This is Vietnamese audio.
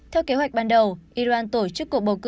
theo kế hoạch ban đầu iran tổ chức cuộc bầu cử